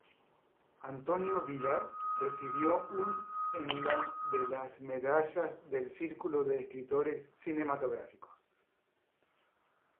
Antonio Vilar recibió un en la de las medallas del Círculo de Escritores Cinematográficos.